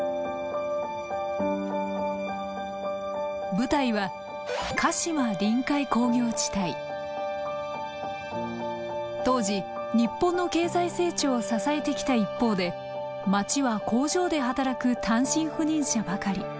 舞台は当時日本の経済成長を支えてきた一方で町は工場で働く単身赴任者ばかり。